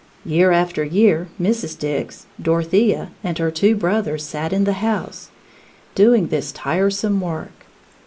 Year after year Mrs. Dix, Dorothea, and her two brothers sat in the house, doing this tiresome work.